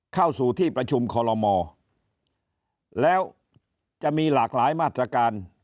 เข้าสู่ที่ประชุมคอลโลมแล้วจะมีหลากหลายมาตรการ